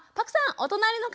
お隣の方